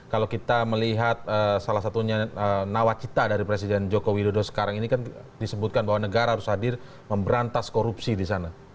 kalau kita melihat salah satunya nawacita dari presiden joko widodo sekarang ini kan disebutkan bahwa negara harus hadir memberantas korupsi di sana